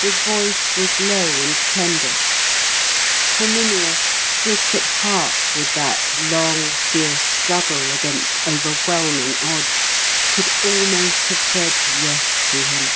His voice was low and tender. Herminia, sick at heart with that long, fierce struggle against overwhelming odds, could almost have said yes to him.